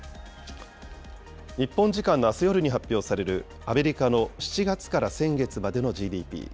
日本時間のあす夜に発表される、アメリカの７月から先月までのＧＤＰ。